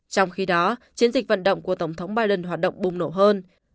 trong khi đó chiến dịch vận động của tổng thống biden hoạt động bùng nổ hơn